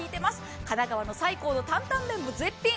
神奈川の菜香の坦々麺も絶品。